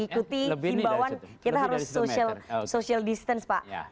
kita harus social distance pak